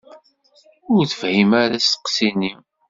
Ur tefhim ara asteqsi-nni.